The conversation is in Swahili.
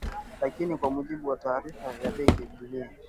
Lakini kwa mujibu wa taarifa ya Benki ya Dunia